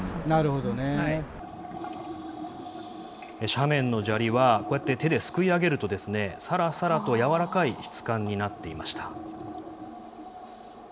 斜面の砂利は、こうやって手ですくい上げると、さらさらと柔らかい質感になっていました。